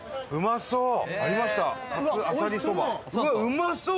うわっうまそう！